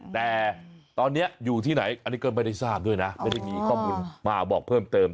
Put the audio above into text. แต่ตอนนี้อยู่ที่ไหนอันนี้ก็ไม่ได้ทราบด้วยนะไม่ได้มีข้อมูลมาบอกเพิ่มเติม